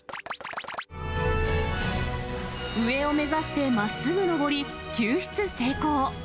上を目指してまっすぐ上り、救出成功。